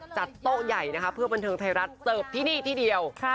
จัดโต๊ะใหญ่นะคะเพื่อบันเทิงไทยรัฐเสิร์ฟที่นี่ที่เดียว